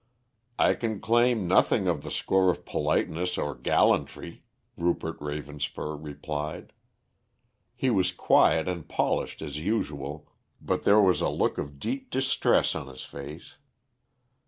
"I can claim nothing on the score of politeness or gallantry," Rupert Ravenspur replied. He was quiet and polished as usual, but there was a look of deep distress on his face.